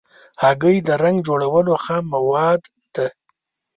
هګۍ د رنګ جوړولو خام مواد ده.